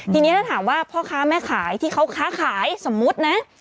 ทีนี้ถ้าถามว่าพ่อค้าแม่ขายที่เขาค้าขายสมมุตินะ